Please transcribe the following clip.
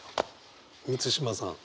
満島さん。